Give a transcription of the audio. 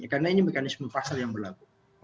karena ini mekanisme pasar yang berlaku